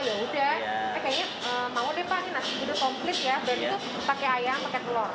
ya udah kayaknya mau deh pak nasi udah komplit ya dan itu pakai ayam pakai telur